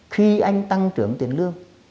khi anh tăng trưởng tiền lương